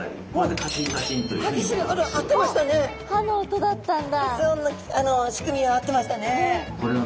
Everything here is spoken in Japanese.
発音の仕組みは合ってましたね。